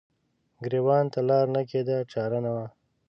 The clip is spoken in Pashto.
ګریوان ته لار نه کیده چار نه وه